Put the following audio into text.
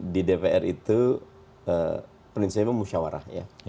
di dpr itu prinsipnya musimy musyawarah